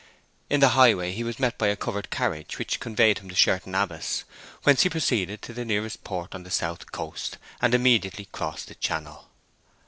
In the highway he was met by a covered carriage, which conveyed him to Sherton Abbas, whence he proceeded to the nearest port on the south coast, and immediately crossed the Channel.